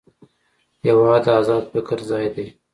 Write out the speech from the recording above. هېواد د ازاد فکر ځای دی.